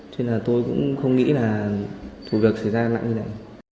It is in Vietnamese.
cho nên là tôi cũng không nghĩ là vụ việc xảy ra nặng như này